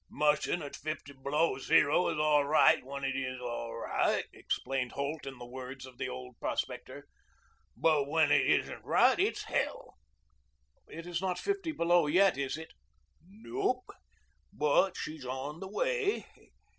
"Mushing at fifty below zero is all right when it is all right," explained Holt in the words of the old prospector. "But when it isn't right it's hell." "It is not fifty below yet, is it?" "Nope. But she's on the way.